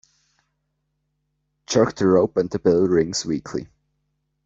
Jerk the rope and the bell rings weakly.